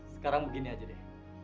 sekarang begini aja deh